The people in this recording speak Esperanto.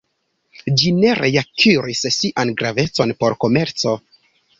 Ĝi ne reakiris sian gravecon por komerco.